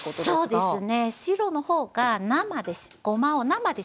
そうです。